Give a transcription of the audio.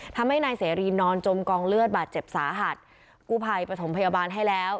ทำให้นายเสรีนอนจมกองเลือดบาดเจ็บสาหัสกู้ภัยปฐมพยาบาลให้แล้ว